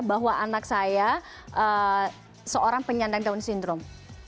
bahwa anak saya seorang penyandang down syndrome